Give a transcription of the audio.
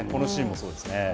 このシーンもそうですね。